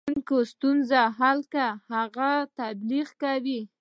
د پیرودونکي ستونزه حل کړه، هغه تبلیغ کوي.